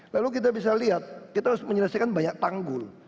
lalu kita bisa lihat kita harus menyelesaikan banyak tanggul